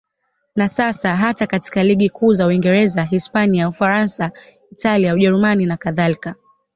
Na sasa hata katika ligi kuu za Uingereza, Hispania, Ufaransa, Italia, Ujerumani nakadhalika.